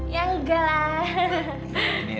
ya nggak lah